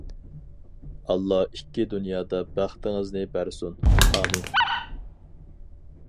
ئاللا ئىككى دۇنيادا بەختىڭىزنى بەرسۇن، ئامىن!